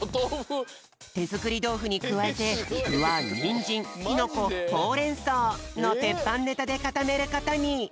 てづくりどうふにくわえてぐはにんじんきのこほうれんそうのてっぱんネタでかためることに。